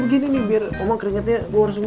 lu udah ngeluk ngeluk